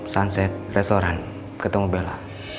sunset restaurant ketemu bella